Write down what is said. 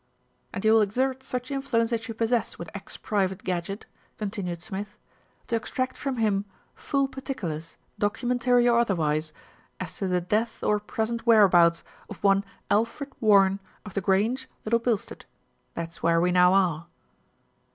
"And you will exert such influence as you possess with ex Private Gadgett," continued Smith, "to extract from him full particulars, documentary or otherwise, as to the death or present whereabouts of one Alfred Warren of The Grange, Little Bilstead, that's where we now are."